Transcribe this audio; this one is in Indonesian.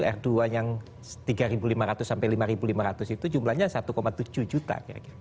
r dua yang tiga lima ratus sampai lima lima ratus itu jumlahnya satu tujuh juta